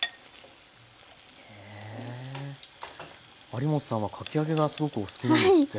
有元さんはかき揚げがすごくお好きなんですって？